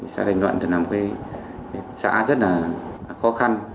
xã thành luận là một xã rất khó khăn